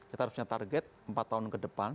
kita harusnya target empat tahun ke depan